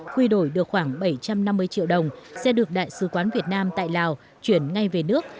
quy đổi được khoảng bảy trăm năm mươi triệu đồng sẽ được đại sứ quán việt nam tại lào chuyển ngay về nước